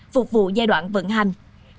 phục vụ giai đoạn vận hành